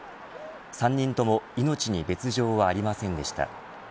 ３人とも命に別条はありませんでした。